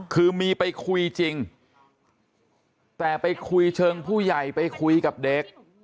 คือมีไปคุยจริงแต่ไปคุยเชิงผู้ใหญ่ไปคุยกับเด็ก